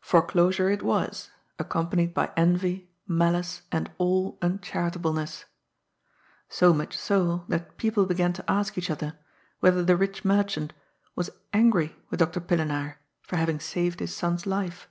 Foreclosure it was, accompanied by envy, malice, and all uncharitableness ; so much so that people began to ask each other whether the rich merchant was angry with Dr. Pillenaar for having saved his son's life.